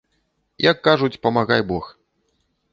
Як кажуць, памагай бог.